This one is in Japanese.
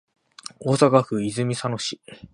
大阪府泉佐野市